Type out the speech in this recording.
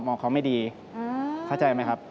องเขาไม่ดีเข้าใจไหมครับ